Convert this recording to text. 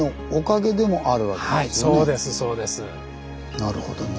なるほどね。